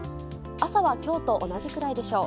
朝は今日と同じくらいでしょう。